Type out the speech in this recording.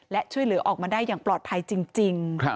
และช่วยเหลือออกมาได้อย่างปลอดภัยจริง